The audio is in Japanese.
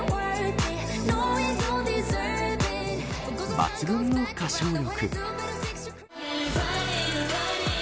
抜群の歌唱力。